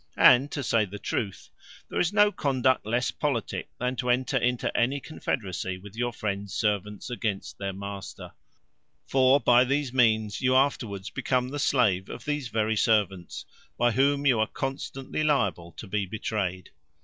And to say the truth, there is no conduct less politic, than to enter into any confederacy with your friend's servants against their master: for by these means you afterwards become the slave of these very servants; by whom you are constantly liable to be betrayed.